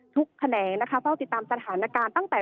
แขนงนะคะเฝ้าติดตามสถานการณ์ตั้งแต่